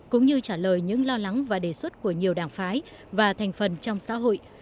cũng như trả lời những lo lắng và đề xuất của nhiều đảng phái và thành phần trong xã hội